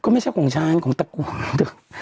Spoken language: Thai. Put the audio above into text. ไม่ใช่ของฉางหรอกพี่น้องครองตะกี้